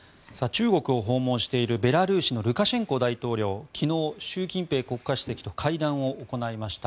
中国を訪問しているベラルーシのルカシェンコ大統領昨日、習近平国家主席と会談を行いました。